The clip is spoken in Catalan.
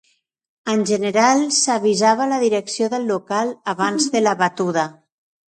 En general, s'avisava la direcció del local abans de la batuda.